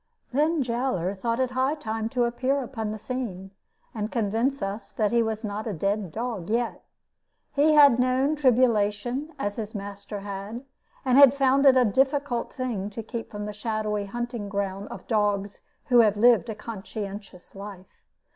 Then Jowler thought it high time to appear upon the scene, and convince us that he was not a dead dog yet. He had known tribulation, as his master had, and had found it a difficult thing to keep from the shadowy hunting ground of dogs who have lived a conscientious life.